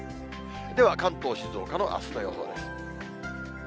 では関東、静岡のあすの予報です。